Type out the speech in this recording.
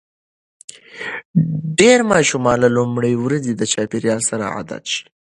ډېری ماشومان له لومړۍ ورځې د چاپېریال سره عادت شي.